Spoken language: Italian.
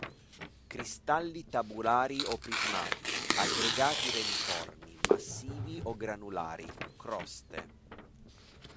Cristalli tabulari o prismatici, aggregati reniformi, massivi o granulari, croste.